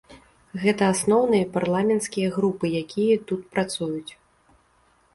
Гэта асноўныя парламенцкія групы, якія тут працуюць.